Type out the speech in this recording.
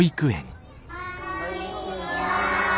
こんにちは。